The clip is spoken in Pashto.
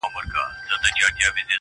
پسرلي په شپه کي راسي لکه خوب هسي تیریږي!